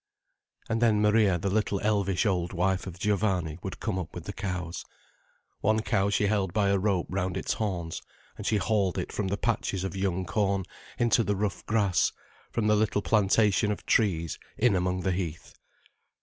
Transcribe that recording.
And then Maria, the little elvish old wife of Giovanni, would come up with the cows. One cow she held by a rope round its horns, and she hauled it from the patches of young corn into the rough grass, from the little plantation of trees in among the heath.